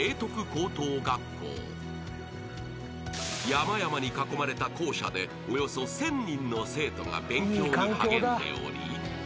［山々に囲まれた校舎でおよそ１，０００人の生徒が勉強に励んでおり］